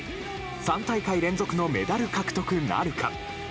３大会連続のメダル獲得なるか。